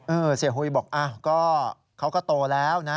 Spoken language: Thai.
เออเสียหุยบอกเขาก็โตแล้วนะ